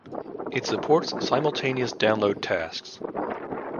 It supports simultaneous download tasks.